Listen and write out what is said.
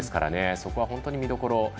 そこは本当に見どころ。